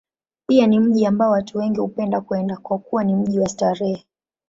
Pia ni mji ambao watu wengi hupenda kwenda, kwa kuwa ni mji wa starehe.